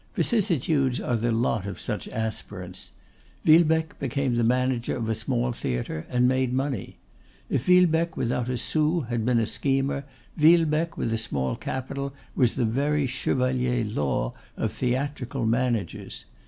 Vicissitudes are the lot of such aspirants. Villebecque became manager of a small theatre, and made money. If Villebecque without a sou had been a schemer, Villebecque with a small capital was the very Chevalier Law of theatrical managers.